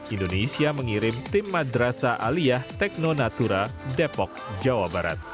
indonesia mengirim tim madrasa aliyah tekno natura depok jawa barat